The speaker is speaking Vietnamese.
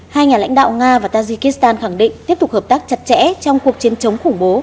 hai nhà lãnh đạo nga và tajikistan khẳng định tiếp tục hợp tác chặt chẽ trong cuộc chiến chống khủng bố